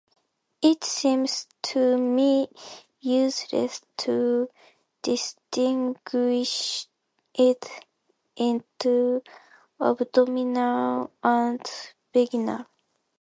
It seems to me useless to distinguish it into abdominal and vaginal.